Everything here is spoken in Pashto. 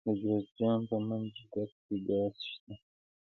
د جوزجان په منګجیک کې ګاز شته.